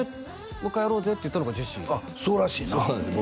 もう一回やろうぜって言ったのがジェシーあっそうらしいなそうなんです